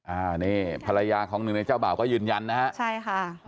อ่านี่ภรรยาของหนึ่งในเจ้าบ่าวก็ยืนยันนะฮะใช่ค่ะ